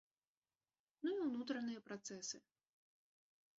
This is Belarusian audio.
Ну і ўнутраныя працэсы.